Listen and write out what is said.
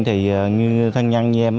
thì thân nhân như em